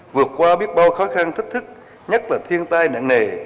vượt qua biết bao khó khăn thách thức nhất là thiên tai nặng nề